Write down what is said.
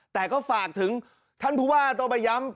แต่ก็ฝากถึงท่านภูวาโตไปย้ำ